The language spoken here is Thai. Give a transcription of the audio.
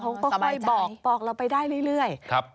เขาก็ค่อยบอกบอกเราไปได้เรื่อย